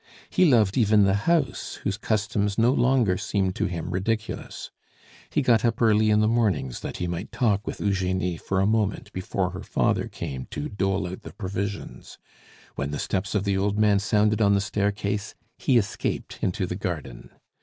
He loved even the house, whose customs no longer seemed to him ridiculous. He got up early in the mornings that he might talk with Eugenie for a moment before her father came to dole out the provisions; when the steps of the old man sounded on the staircase he escaped into the garden.